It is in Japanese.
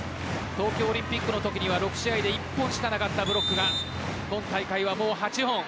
東京オリンピックのときには６試合で１本しかなかったブロックが今大会は、もう８本。